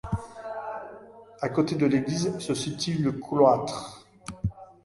À côté de l'église se situe le cloître.